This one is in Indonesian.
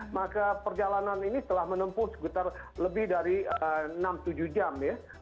maka perjalanan ini telah menempuh sekitar lebih dari enam tujuh jam ya